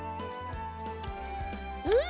うん！